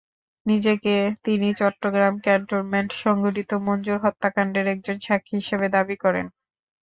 নিজেকে তিনি চট্টগ্রাম ক্যান্টনমেন্টে সংঘটিত মঞ্জুর হত্যাকাণ্ডের একজন সাক্ষী হিসেবে দাবি করেন।